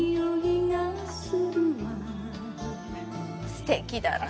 すてきだな。